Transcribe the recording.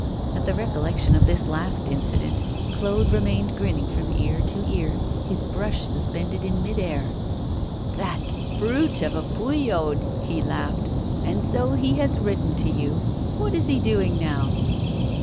At the recollection of this last incident, Claude remained grinning from ear to ear, his brush suspended in mid air. 'That brute of a Pouillaud!' he laughed. 'And so he has written to you. What is he doing now?